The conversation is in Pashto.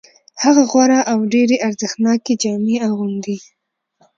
هغه غوره او ډېرې ارزښتناکې جامې اغوندي